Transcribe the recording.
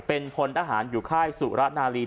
เป็นพลทหารอยู่ค่ายสุระนาลี